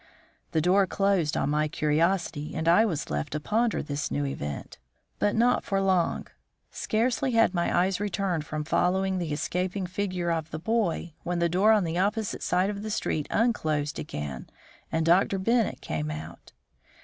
The door closed on my curiosity, and I was left to ponder this new event. But not for long; scarcely had my eyes returned from following the escaping figure of the boy, when the door on the opposite side of the street unclosed again and Dr. Bennett came out.